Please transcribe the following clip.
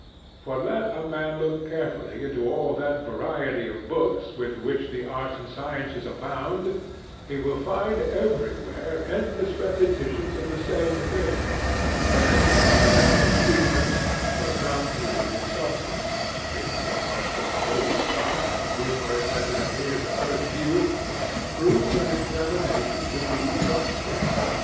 For let a man look carefully into all that variety of books with which the arts and sciences abound, he will find everywhere endless repetitions of the same thing, varying in the method of treatment, but not new in substance, insomuch that the whole stock, numerous as it appears at first view, proves on examination to be but scanty.